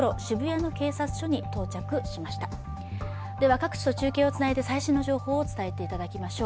各地と中継をつないで最新の情報を伝えてもらいましょう。